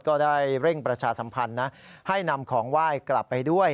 ก็ได้เร่งประชาสัมพันธ์นะให้นำของไหว้กลับไปด้วย